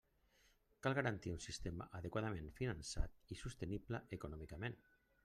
Cal garantir un sistema adequadament finançat i sostenible econòmicament.